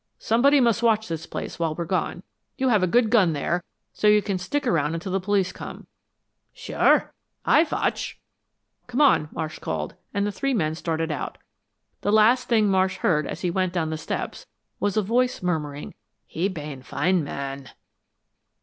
Somebody must watch this place while we're gone. You have a good gun there, so you can stick around until the police come." "Sure Aye watch." "Come on," Marsh called, and the three men started out. The last thing Marsh heard as he went down the steps, was a voice murmuring, "He bane fine man."